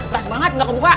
keras banget gak kebuka